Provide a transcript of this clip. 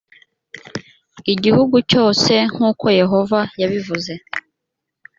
igihugu cyose nk uko yehova yabivuze